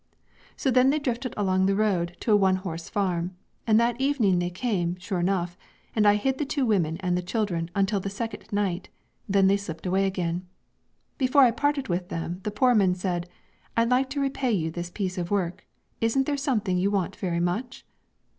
So then they drifted along the road to a one horse farm, and that evening they came, sure enough, and I hid the two women and the children until the second night; then they slipped away again. Before I parted with them, the Poorman said, 'I'd like to repay you this piece of work: isn't there something you want very much?'